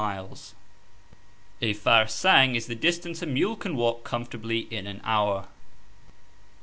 fan sang or fai / \farrsang is " the distance a mule can walk comfortably in an hour."